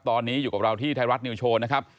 ตอนนี้อยู่กับเราที่ไทยรัฐนิวโชว์นะครับ